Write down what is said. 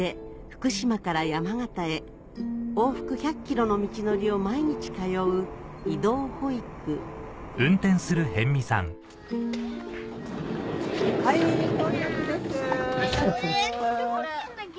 福島から山形へ往復１００ｋｍの道のりを毎日通うはい到着です。